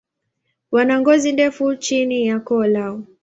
Wana ngozi ndefu chini ya koo lao.